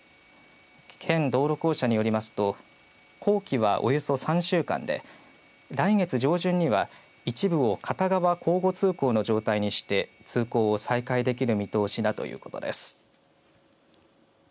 県道路公社によりますと工期はおよそ３週間で来月上旬には一部を片側交互通行の状態にして通行を再開できる見通しだということです。